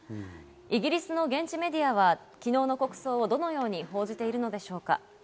イギリスの現地メディアは昨日の国葬をどのように報じているのでしょうか。